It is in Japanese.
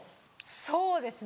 そうですね